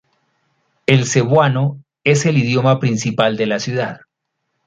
El cebuano es el idioma principal de la ciudad.